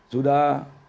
sudah satu dua tiga